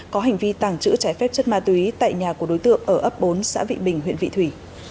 có hành vi tàng trữ trái phép chất ma túy tại nhà của đối tượng ở ấp bốn xã vị bình huyện vị thủy